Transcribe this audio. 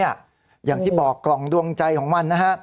อย่างที่บอกกล่องดวงใจของมันนะฮะ